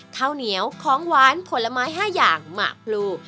ข้าวเหนียวของหวานผลไม้๕อย่างหมากพลู